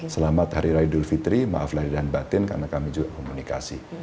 selamat hari raya idul fitri maaflahir dan batin karena kami juga komunikasi